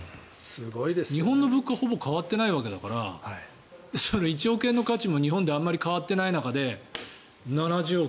日本の物価はほぼ変わってないわけだから１億円の価値も日本であまり変わっていない中で７０億。